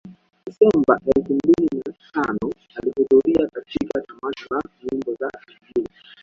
Desemba elfu mbili na tano alihudhuria katika tamasha la nyimbo za Injili